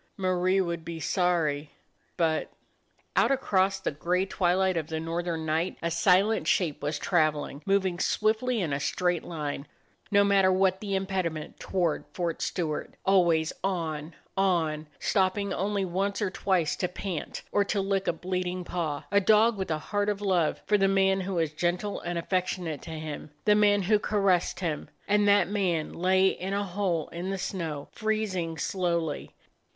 Marie would be sorry — but — Out across the gray twilight of the north ern night a silent shape was traveling; moving swiftly in a straight line, no matter what the impediment, toward Fort Stewart. Always on, on ; stopping only once or twice to pant, or to lick a bleeding paw; a dog with a heart of love for the man who was gentle and affection ate to him; the man who caressed him. And that man lay in a hole in the snow, freezing slowly.